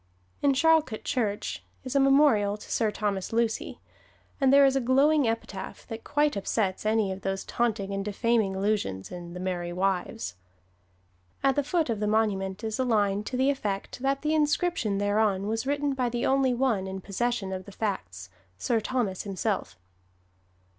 In Charlcote Church is a memorial to Sir Thomas Lucy; and there is a glowing epitaph that quite upsets any of those taunting and defaming allusions in "The Merry Wives." At the foot of the monument is a line to the effect that the inscription thereon was written by the only one in possession of the facts, Sir Thomas himself.